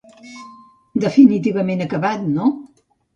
Definitivament acabat, no?